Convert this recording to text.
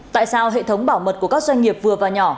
tại sao hệ thống bảo mật của các doanh nghiệp vừa và nhỏ